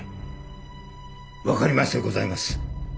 分かりましてございます。